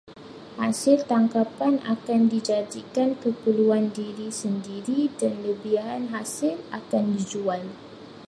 Hasil tangkapan akan dijadikan keperluan diri sendiri dan lebihan hasil akan dijual.